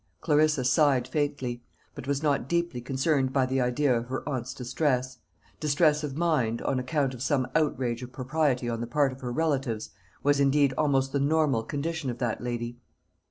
Clarissa sighed faintly; but was not deeply concerned by the idea of her aunt's distress. Distress of mind, on account of some outrage of propriety on the part of her relatives, was indeed almost the normal condition of that lady.